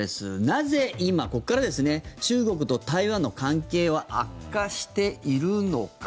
なぜ今、ここからですね中国と台湾の関係は悪化しているのか。